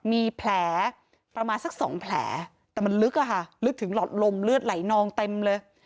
มีแผลประมาณสักสองแผลแต่มันลึกอะค่ะลึกถึงหลอดลมเลือดไหลนองเต็มเลย